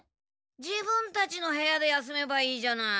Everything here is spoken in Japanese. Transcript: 自分たちの部屋で休めばいいじゃない。